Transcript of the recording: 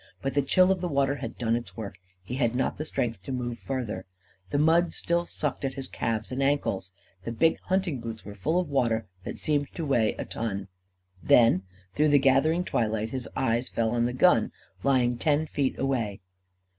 But the chill of the water had done its work. He had not the strength to move farther. The mud still sucked at his calves and ankles. The big hunting boots were full of water that seemed to weigh a ton. He lay there, gasping and chattering. Then, through the gathering twilight, his eyes fell on the gun, lying ten feet away.